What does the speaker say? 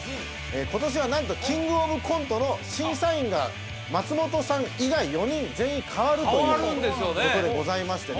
今年はなんと「キングオブコント」の審査員が松本さん以外４人全員変わるということでございましてね